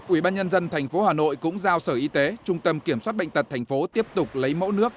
ủy ban nhân dân tp hà nội cũng giao sở y tế trung tâm kiểm soát bệnh tật tp tiếp tục lấy mẫu nước